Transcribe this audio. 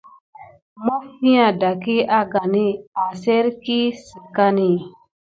Məffia daki angani aserki sikani.